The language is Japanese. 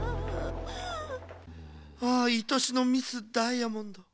ああいとしのミス・ダイヤモンド。